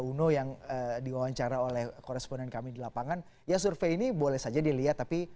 uno yang diwawancara oleh koresponen kami di lapangan ya survei ini boleh saja dilihat tapi